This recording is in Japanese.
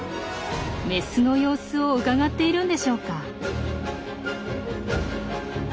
メスの様子をうかがっているんでしょうか？